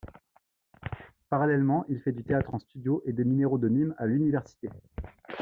Parallèlement, il fait du théâtre en studio et des numéros de mime à l'université.